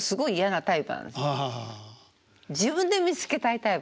自分で見つけたいタイプ。